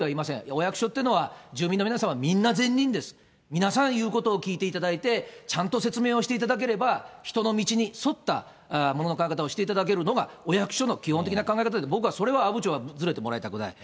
お役所というのは、住民の皆様みんな善人です、皆さん言うことを聞いていただいて、ちゃんと説明をしていただければ、人の道に沿ったものの考え方をしていただけるのが、お役所の基本的な考え方で、僕はそれは阿武町外れてもらいたくない。